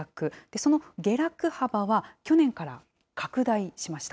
その下落幅は去年から拡大しました。